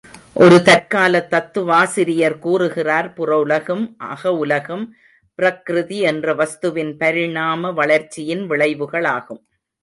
ஒரு தற்காலத் தத்துவாசிரியர் கூறுகிறார் புற உலகும், அக உலகும், பிரக்ருதி என்ற வஸ்துவின் பரிணாம வளர்ச்சியின் விளைவுகளாகும்.